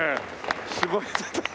すごい。